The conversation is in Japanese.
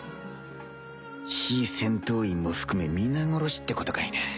非戦闘員も含め皆殺しってことかいな